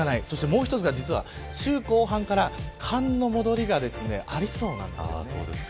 そして、もう１つが週後半から寒の戻りがありそうなんです。